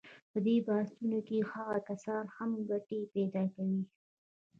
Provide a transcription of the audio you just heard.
په دې بحثونو کې هغه کسان هم ګټې پیدا کوي.